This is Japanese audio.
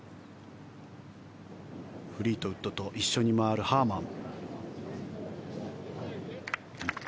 フリートウッドと一緒に回るハーマン。